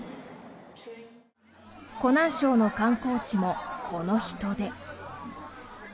湖南省の観光地も、この人出。